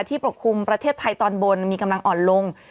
ปกคลุมประเทศไทยตอนบนมีกำลังอ่อนลง